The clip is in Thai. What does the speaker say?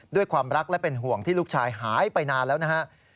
ด้วยความรักและเป็นห่วงที่ลูกชายหายไปนานแล้วนะครับ